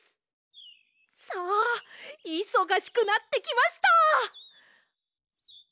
さあいそがしくなってきました！